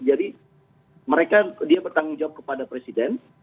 jadi mereka dia bertanggung jawab kepada presiden